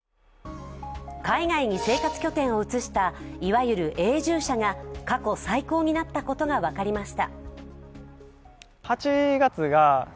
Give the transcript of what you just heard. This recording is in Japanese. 海外に生活拠点を移したいわゆる永住者が過去最高になったことが分かりました。